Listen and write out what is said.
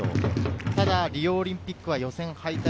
ただ、リオオリンピックは予選敗退。